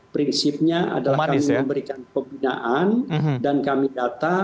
prinsipnya adalah kami memberikan pembinaan dan kami data